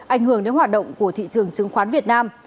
ảnh hưởng đến hoạt động của thị trường chứng khoán việt nam